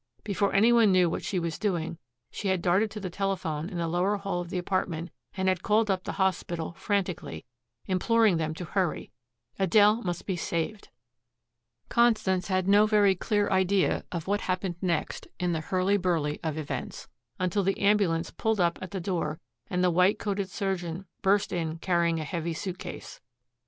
Before any one knew what she was doing she had darted to the telephone in the lower hall of the apartment and had called up the hospital frantically, imploring them to hurry. Adele must be saved. Constance had no very clear idea of what happened next in the hurly burly of events, until the ambulance pulled up at the door and the white coated surgeon burst in carrying a heavy suitcase.